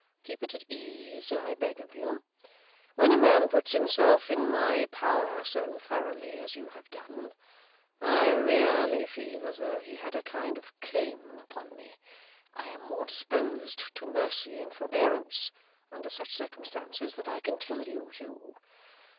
Keep it at ease, I beg of you. When a man puts himself in my power so thoroughly as you have done, I really feel as though he had a kind of claim upon me. I am more disposed to mercy and forbearance under such circumstances than I can tell you, Hugh.